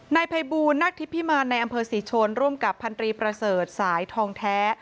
นายภัยบูลนักทิพิมารในอำเภอศรีชนร่วมกับพันธรีประเสริฐสายทองแท้